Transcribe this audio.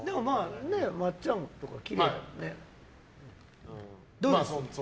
まっちゃんとかきれいだもんね。